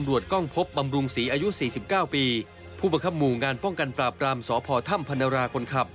วันที่๔๙ปีผู้ประคับหมู่งานป้องกันปราบกรามสพธพนราคนขับ